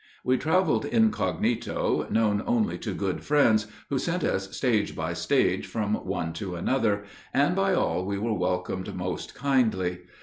We traveled incognito, known only to good friends, who sent us stage by stage from one to another, and by all we were welcomed most kindly.